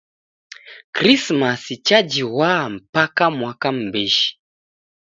Krismasi chajighwa mpaka mwaka m'mbishi.